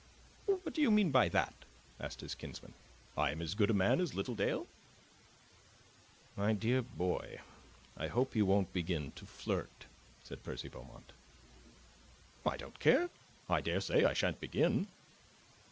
"What do you mean by that?" asked his kinsman. "I am as good a man as Littledale." "My dear boy, I hope you won't begin to flirt," said Percy Beaumont. "I don't care. I daresay I shan't begin."